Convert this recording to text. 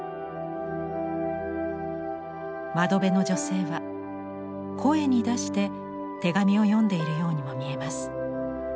窓辺の女性は声に出して手紙を読んでいるようにも見えます。